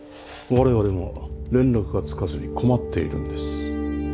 我々も連絡がつかずに困っているんです。